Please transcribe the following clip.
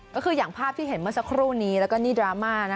ก็คืออย่างภาพที่เห็นเมื่อสักครู่นี้แล้วก็นี่ดราม่า